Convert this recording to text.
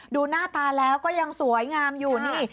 ดูหน้าตาแล้วก็ยังสวยงามอยู่นี่